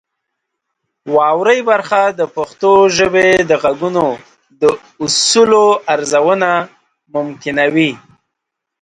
واورئ برخه د پښتو ژبې د غږونو د اصولو ارزونه ممکنوي.